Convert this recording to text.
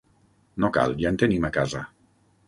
No cal, ja en tenim a casa.